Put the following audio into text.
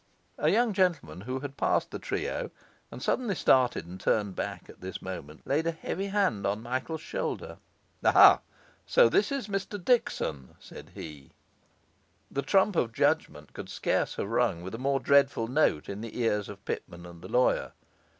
A young gentleman, who had passed the trio and suddenly started and turned back, at this moment laid a heavy hand on Michael's shoulder. 'Aha! so this is Mr Dickson?' said he. The trump of judgement could scarce have rung with a more dreadful note in the ears of Pitman and the lawyer.